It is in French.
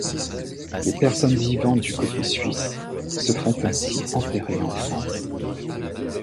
Les personnes vivant du côté suisse se font ainsi enterrer en France.